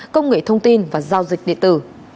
công nghệ thông tin và giao dịch điện tử